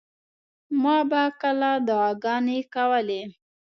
ما به کله دعاګانې کولې.